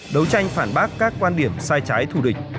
đấu tranh phản bác các quan điểm sai trái thù địch